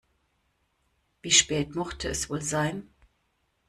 Wie spät mochte es wohl sein?